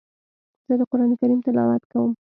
زه د قران کریم تلاوت کوم.